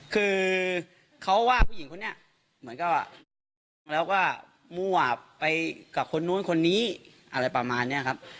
คือเขาว่าผู้หญิงคนนี้เหมือนกับว่างแล้วก็มั่วไปกับคนนู้นคนนี้อะไรประมาณนี้ครับ